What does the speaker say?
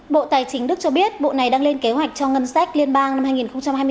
bộ tài chính đức cho biết bộ này đang lên kế hoạch cho ngân sách liên bang năm hai nghìn hai mươi bốn